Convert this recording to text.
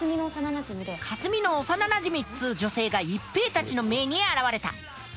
かすみの幼なじみっつう女性が一平たちの前に現れた。